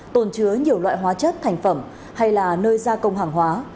tồn chứa nhiều loại hóa chất thành phẩm hay là nơi gia công hàng hóa